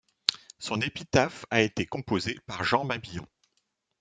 Son épitaphe a été composée par Jean Mabillon.